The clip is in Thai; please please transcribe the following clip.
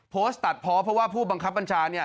โพสต์ตัดเพาะเพราะว่าผู้บังคับบัญชา